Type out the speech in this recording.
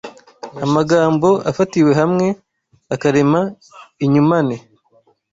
Amagambo afatiwe hamwe akarema inyumane